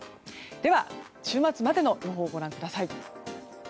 では、週末までの予報をご覧ください。